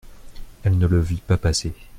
Elle ne le vit pas passer.